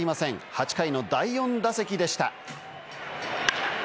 ８回の第４打席でした。